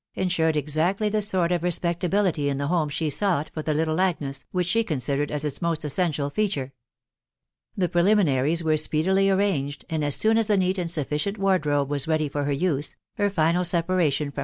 enanred exactly the s»rt of respeetability in the home she sought for the little Agnes, which she considered aa its most essential feature. The preliminaries* were speedily arranged,, and as soon as a neat and sufficient, wardrobe was ready; for* her use; her final separation from